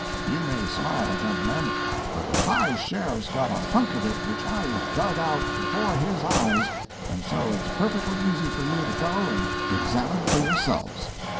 You may smile, gentlemen, but the High Sheriff's got a hunk of it which I dug out before his eyes, and so it's perfectly easy for you to go and examine for yourselves."